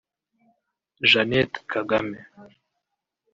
Jeanette Kagame